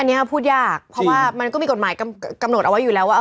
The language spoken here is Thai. อันนี้พูดยากเพราะว่ามันก็มีกฎหมายกำหนดเอาไว้อยู่แล้วว่า